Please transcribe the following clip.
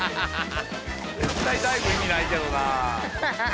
絶対ダイブ意味ないけどな。